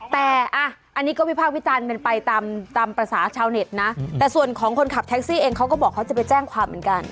แต่อันนี้ก็วิพากษ์วิจารณ์เป็นไปตามภาษาชาวเน็ตนะแต่ส่วนของคนขับแท็กซี่เองเขาก็บอกเขาจะไปแจ้งความเหมือนกัน